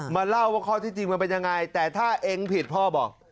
เล่าว่าข้อที่จริงมันเป็นยังไงแต่ถ้าเองผิดพ่อบอก